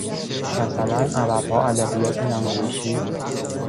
مثلاً عربها ادبیات نمایشی